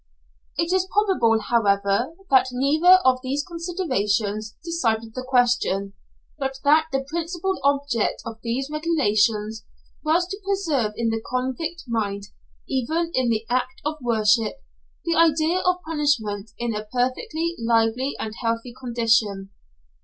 It is probable, however, that neither of these considerations decided the question, but that the principal object of these regulations was to preserve in the convict mind, even in the act of worship, the idea of punishment in a perfectly lively and healthy condition.